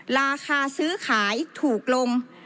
ราคาซื้อขายถูกลง